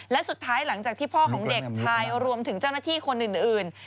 และสุดท้ายหลังจากที่พ่อของเด็กชายรวมถึงเจ้าหน้าที่คนอื่น